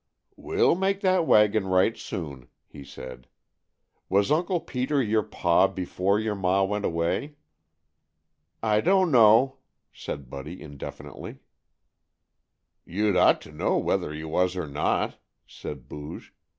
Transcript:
"We'll make that wagon right soon," he said. "Was Uncle Peter your pa before your ma went away?" "I don't know," said Buddy indefinitely. "You'd ought to know whether he was or not," said Booge.